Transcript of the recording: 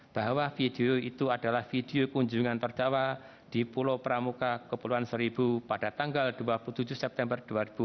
bahwa video itu adalah video kunjungan terdakwa di pulau pramuka kepulauan seribu pada tanggal dua puluh tujuh september dua ribu dua puluh